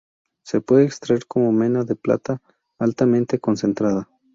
Se puede extraer como mena de plata altamente concentrada.